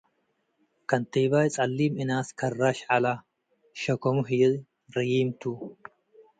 ከንቴባይ ጸሊም እናስ ከራሽ ዐለ፡ ሸከሙ ህዬ ረዩዬም ቱ።